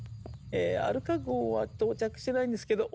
えアルカ号は到着してないんですけど